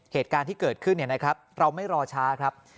เหตุการณ์ที่เกิดขึ้นเราไม่รอช้าครับ